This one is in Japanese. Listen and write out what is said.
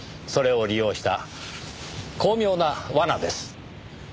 それを利用した巧妙な罠です。